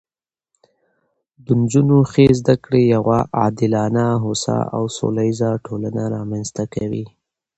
د نجونو ښې زده کړې یوه عادلانه، هوسا او سوله ییزه ټولنه رامنځته کوي